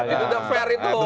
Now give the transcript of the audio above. itu udah fair itu